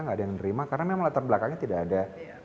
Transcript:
nggak ada yang menerima karena memang latar belakangnya tidak ada